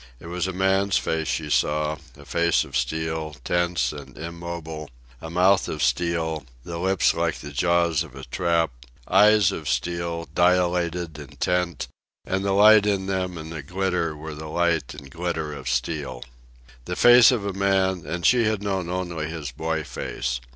It was a man's face she saw, a face of steel, tense and immobile; a mouth of steel, the lips like the jaws of a trap; eyes of steel, dilated, intent, and the light in them and the glitter were the light and glitter of steel. The face of a man, and she had known only his boy face.